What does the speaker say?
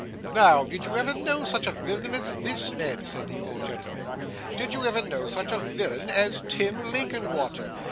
'Now, did you ever know such a villain as this, Ned?' said the old gentleman; 'did you ever know such a villain as Tim Linkinwater?